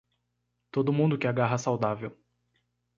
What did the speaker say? Todo mundo que agarra saudável.